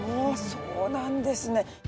そうなんですね。